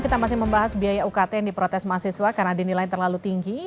kita masih membahas biaya ukt yang diprotes mahasiswa karena dinilai terlalu tinggi